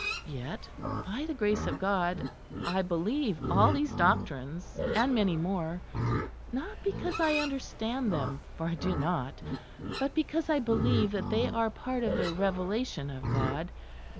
Yet, by the grace of God, I believe all these doctrines and many more, not because I understand them, for I do not; but because I believe that they are part of the Revelation of God.